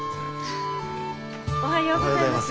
おはようございます。